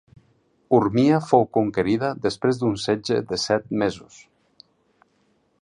Urmia fou conquerida després d'un setge de set mesos.